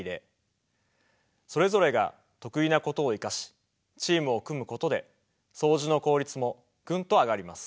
それぞれが得意なことを生かしチームを組むことでそうじの効率もぐんと上がります。